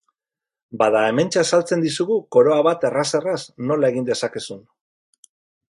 Bada, hementxe azaltzen dizugu koroa bat erraz-erraz nola egin dezakezun.